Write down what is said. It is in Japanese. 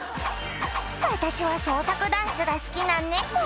「私は創作ダンスが好きな猫」